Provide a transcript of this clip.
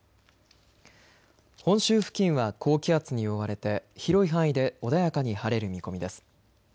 本州付近は高気圧に覆われて広い範囲で穏やかに晴れる見込みです。